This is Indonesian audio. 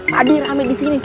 tadi rame disini